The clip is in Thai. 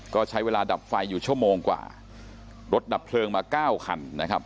ก็ใช้เวลาดับไฟอยู่ชั่วโมงกว่ารถดับเพลิงมาเก้าคันนะครับ